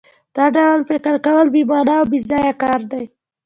دا ډول فکر کول بې مانا او بېځایه کار دی